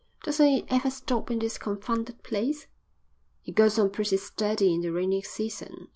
"Doesn't it ever stop in this confounded place?" "It goes on pretty steady in the rainy season.